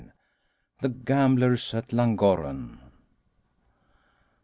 THE GAMBLERS AT LLANGORREN.